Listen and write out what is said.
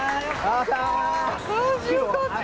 あー、よかった。